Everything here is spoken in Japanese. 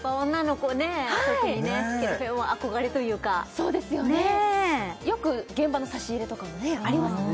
特にねキルフェボン憧れというかそうですよねよく現場の差し入れとかにねありますもんね